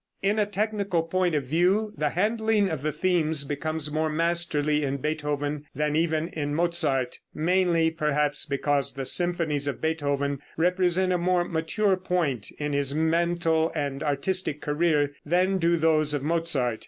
In a technical point of view the handling of the themes becomes more masterly in Beethoven than even in Mozart mainly perhaps because the symphonies of Beethoven represent a more mature point in his mental and artistic career than do those of Mozart.